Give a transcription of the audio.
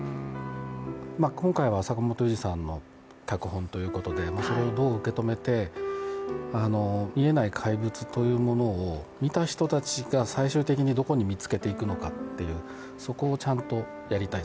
今回は坂元裕二さんの脚本ということでそれをどう受け止めて、見えない怪物というものを見た人たちが最終的にどこに見つけていくのかっていうそこをちゃんとやりたい。